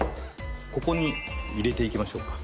ここに入れていきましょうか。